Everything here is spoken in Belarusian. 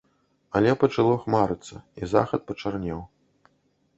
Але пачало хмарыцца, і захад пачарнеў.